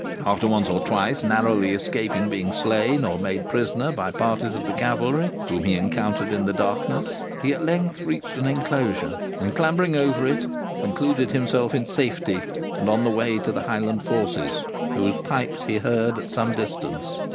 After once or twice narrowly escaping being slain or made prisoner by parties of the cavalry whom he encountered in the darkness, he at length reached an enclosure, and, clambering over it, concluded himself in safety and on the way to the Highland forces, whose pipes he heard at some distance.